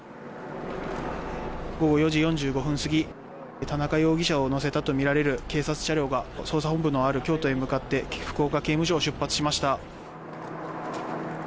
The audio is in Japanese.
午後４時４５分過ぎ田中容疑者を乗せたとみられる警察車両が捜査本部のある京都府警に向かって福岡刑務所を出発しました。